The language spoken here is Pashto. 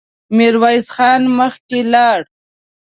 ميرويس خان مخکې لاړ.